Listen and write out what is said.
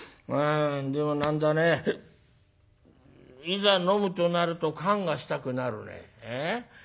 でも何だねいざ飲むとなると燗がしたくなるね。